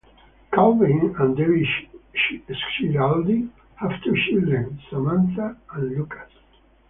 Calvin and Debbie Schiraldi have two children, Samantha and Lukas.